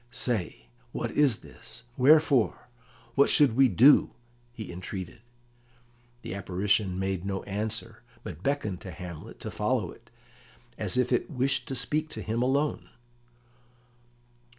"Say, why is this? Wherefore? What should we do?" he entreated. The apparition made no answer, but beckoned to Hamlet to follow it, as if it wished to speak to him alone.